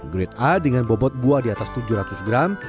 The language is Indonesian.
grade a dengan bobot buah di atas tujuh ratus gram